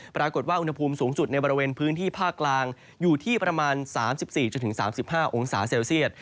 ปรากฏว่าอุณหภูมิสูงสุดในบริเวณพื้นที่ภาคกลางอยู่ที่ประมาณ๓๔๓๕องศาเซลเซียต